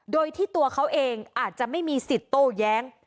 โดยที่ตัวเขาเองอาจจะไม่มีสิทธิ์โต้แย้ง